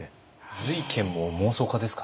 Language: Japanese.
瑞賢も妄想家ですかね？